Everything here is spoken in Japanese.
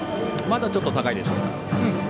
まだちょっと高いでしょうか。